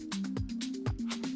jadi terima kasih